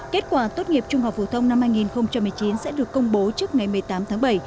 kết quả tốt nghiệp trung học phổ thông năm hai nghìn một mươi chín sẽ được công bố trước ngày một mươi tám tháng bảy